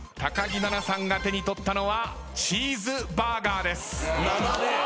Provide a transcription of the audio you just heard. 木菜那さんが手に取ったのはチーズバーガーです。